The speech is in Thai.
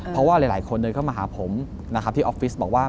เพราะว่าหลายคนเข้ามาหาผมที่ออฟฟิศบอกว่า